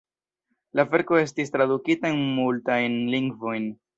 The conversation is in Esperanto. La verko estis tradukita en multajn lingvojn.